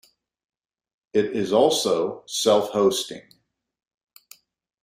It is also self-hosting.